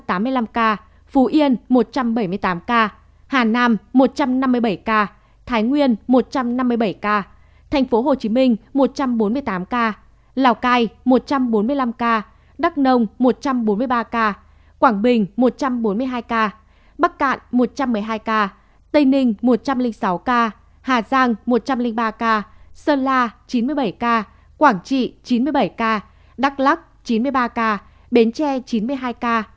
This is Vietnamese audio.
nam đồng một trăm tám mươi năm ca phú yên một trăm bảy mươi tám ca hà nam một trăm năm mươi bảy ca thái nguyên một trăm năm mươi bảy ca thành phố hồ chí minh một trăm bốn mươi tám ca lào cai một trăm bốn mươi năm ca đắk nông một trăm bốn mươi ba ca quảng bình một trăm bốn mươi hai ca bắc cạn một trăm một mươi hai ca tây ninh một trăm linh sáu ca hà giang một trăm linh ba ca sơn la chín mươi bảy ca quảng trị chín mươi bảy ca đắk lắc chín mươi ba ca bến tre chín mươi hai ca